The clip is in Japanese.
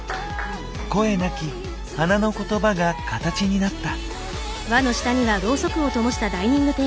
声なき花の言葉がカタチになった。